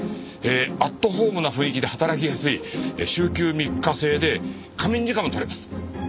「アットフォームな雰囲気で働きやすい」「週休３日制で仮眠時間も取れます」